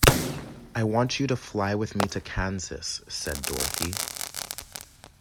"I want you to fly with me to Kansas," said Dorothy.